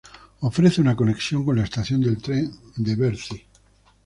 Ofrece una conexión con la estación de tren de Bercy.